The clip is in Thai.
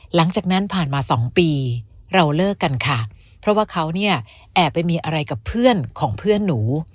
หลังจากนั้นผ่านมาสองปีเราเลิกกันค่ะเพราะว่าเขาเนี่ยแอบไปมีอะไรกับเพื่อนของเพื่อนหนู